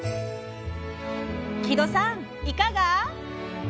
木戸さんいかが？